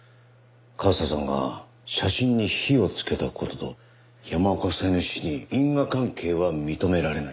和沙さんが写真に火をつけた事と山岡夫妻の死に因果関係は認められない。